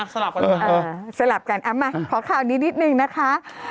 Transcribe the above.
สลับกันสลับกันเอ้ามาขอข่าวนี้นิดนึงนะคะ